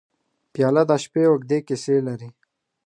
پیاله د شپې اوږدې کیسې لري.